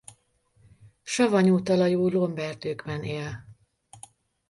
Savanyú talajú lomberdőkben él.